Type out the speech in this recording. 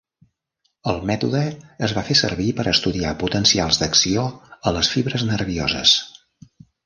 El mètode es va fer servir per estudiar potencials d'acció a les fibres nervioses.